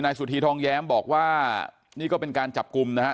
สุธีทองแย้มบอกว่านี่ก็เป็นการจับกลุ่มนะฮะ